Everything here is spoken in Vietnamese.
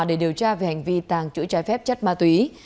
để điều tra về hành vi tàng trữ trái phép chất ma túy